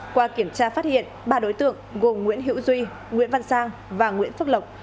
qua kiểm tra phát hiện ba đối tượng gồm nguyễn hữu duy nguyễn văn sang và nguyễn phước lộc